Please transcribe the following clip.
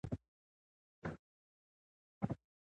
ملالۍ غازیانو ته خوراک او اوبه رسولې.